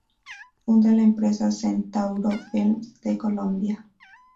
Funda la empresa Centauro Films de Colombia.